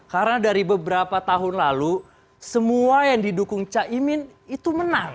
karena dari beberapa tahun lalu semua yang didukung cahimin itu menang